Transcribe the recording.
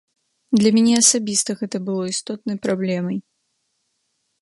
Для мяне асабіста гэта было істотнай праблемай.